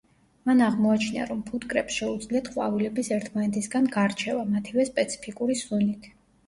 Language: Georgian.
მან აღმოაჩინა, რომ ფუტკრებს შეუძლიათ ყვავილების ერთმანეთისგან გარჩევა მათივე სპეციფიკური სუნით.